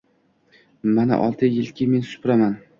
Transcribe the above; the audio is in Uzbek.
Mana olti yilki… men supuraman.